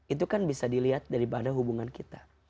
itu kan bisa dilihat daripada hubungan kita